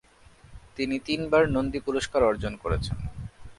তিনি তিনবার নন্দী পুরস্কার অর্জন করেছেন।